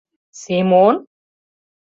— Семон?..